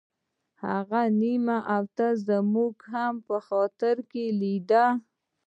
هفته نیمه به زموږ هم خاطر په کې کېده.